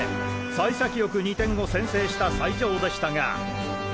幸先よく２点を先制した西条でしたが。